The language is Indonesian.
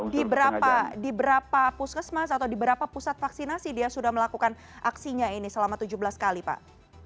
di berapa puskesmas atau di berapa pusat vaksinasi dia sudah melakukan aksinya ini selama tujuh belas kali pak